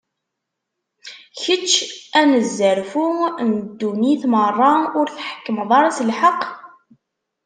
Kečč, anezzarfu n ddunit meṛṛa, ur tḥekkmeḍ ara s lḥeqq?